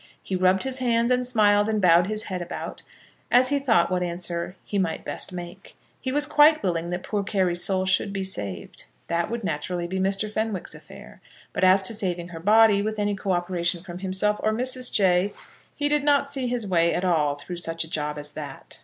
He rubbed his hands, and smiled, and bowed his head about, as he thought what answer he might best make. He was quite willing that poor Carry's soul should be saved. That would naturally be Mr. Fenwick's affair. But as to saving her body, with any co operation from himself or Mrs. Jay, he did not see his way at all through such a job as that.